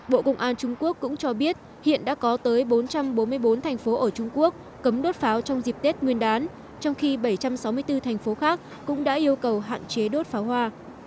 bộ công an trung quốc cũng cho biết hiện đã có tới bốn trăm bốn mươi bốn thành phố ở trung quốc cấm đốt pháo trong dịp tết nguyên đán trong khi bảy trăm sáu mươi bốn thành phố khác cũng đã yêu cầu hạn chế đốt pháo hoa